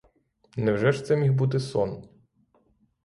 Невже ж це міг бути сон?